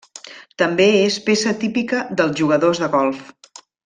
També és peça típica dels jugadors de golf.